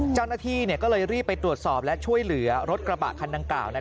เจ้าหน้าที่ก็เลยรีบไปตรวจสอบและช่วยเหลือรถกระบะคันดังกล่าว